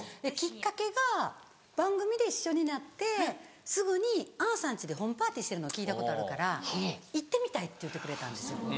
きっかけが番組で一緒になってすぐに「アンさん家でホームパーティーしてるの聞いたことあるから行ってみたい」って言ってくれたんですよ。